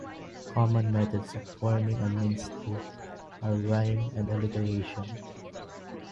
Common methods of forming a minced oath are rhyme and alliteration.